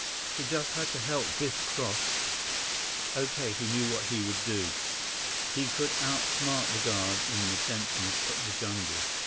He just had to help Biff cross. Okay, he knew what he would do. He could outsmart the guard in the denseness of the jungle.